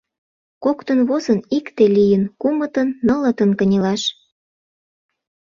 Коктын возын, икте лийын, кумытын-нылытын кынелаш.